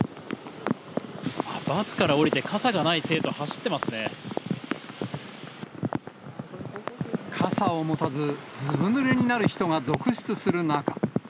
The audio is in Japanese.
バスから降りて、傘を持たず、ずぶぬれになる人が続出する中。